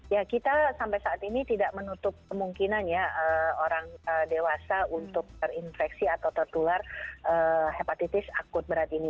ya kita sampai saat ini tidak menutup kemungkinan ya orang dewasa untuk terinfeksi atau tertular hepatitis akut berat ini